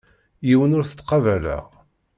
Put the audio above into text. Yiwen ur t-ttqabaleɣ.